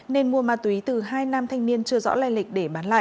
nên mua ma túy từ hai nam thanh niên chưa rõ lai lịch để bán lại